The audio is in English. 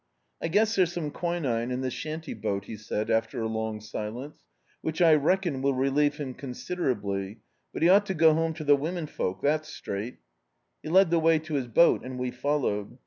"I guess there's some quinine in the shanty boat," he said, after a Icmg silence, "which I reckon will relieve him considerably, but he ought ter go home ter th' women folk, that's straight" He led the way to his boat, and we followed.